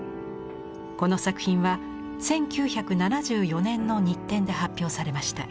この作品は１９７４年の日展で発表されました。